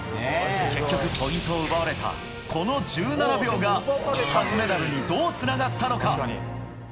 結局、ポイントを奪われたこの１７秒が初メダルに、どうつながったのか。